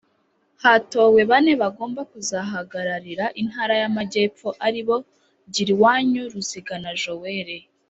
hatowe bane bagomba kuzahagararira Intara y’Amajyepfo ari bo Giriwanyu Ruzigana Joelle